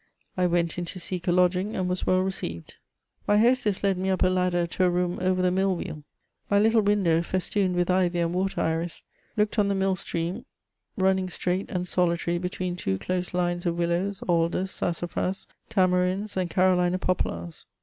I went in to seek a lodging, and was well received. My hostess led me up a ladder to a room over the mill wheel. My little window, festooned with ivy and water iris, looked on the mill stream running straight and solitary between two close lines of willows, alders, sassa&as, tamarinds, and Carolina pop lars.